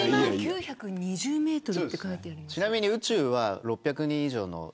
１万９２０メートルってちなみに宇宙は６００人以上の